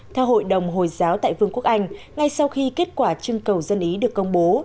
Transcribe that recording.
theo hội đồng hồi giáo tại vương quốc anh ngay sau khi kết quả trưng cầu dân ý được công bố